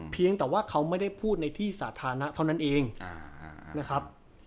เพียงแต่ว่าเขาไม่ได้พูดในที่สาธารณะเท่านั้นเองนะครับ